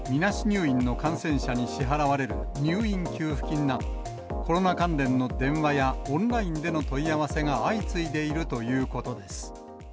入院の感染者に支払われる入院給付金など、コロナ関連の電話や、オンラインでの問い合わせが相次いでいるということです。